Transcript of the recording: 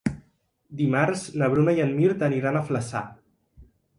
Dimarts na Bruna i en Mirt aniran a Flaçà.